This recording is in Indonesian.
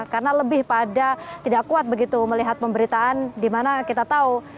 karena lebih pada tidak kuat begitu melihat pemberitaan di mana kita tahu